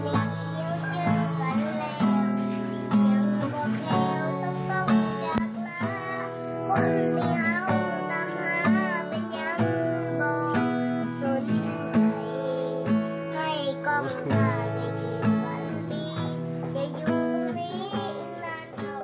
อย่ายูนี้อีกนานเท่าไหร่